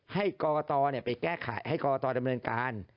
ให้กรกตไปแก้ไขให้กรกตดำเนินการ